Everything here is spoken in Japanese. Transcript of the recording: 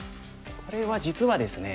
これは実はですね